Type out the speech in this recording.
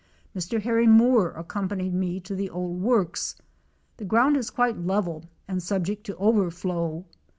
Mr. Harry Moore accompanied me to the old works. The ground is quite level and subject to overflow.